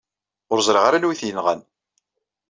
Ur ẓṛiɣ ara anwa i t-yenɣan.